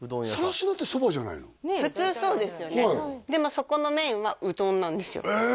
そこのメインはうどんなんですよえ！